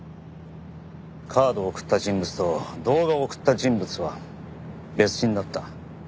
カードを送った人物と動画を送った人物は別人だった。